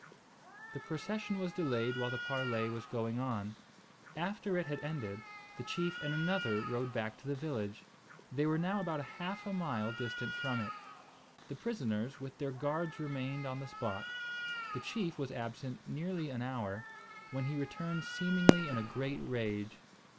The procession was delayed while the parley was going on. After it had ended, the chief and another rode back to the village; they were now about half a mile distant from it. The prisoners, with their guards remained upon the spot. The chief was absent nearly an hour, when he returned seemingly in a great rage.